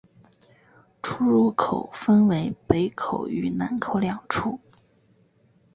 出入口分为北口与南口两处。